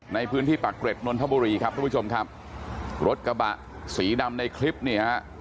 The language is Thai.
ในพื้นที่ปากเกร็ดนนทบุรีครับทุกผู้ชมครับรถกระบะสีดำในคลิปเนี่ยฮะ